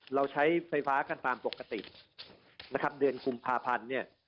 เราใช้ไฟฟ้ากันตามปกตินะครับเดือนกุมภาพันธ์เนี่ย